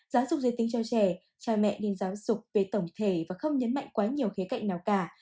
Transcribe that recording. giáo dục giới tính cho trẻ cha mẹ nên giáo dục về tổng thể và không nhấn mạnh quá nhiều khía cạnh nào cả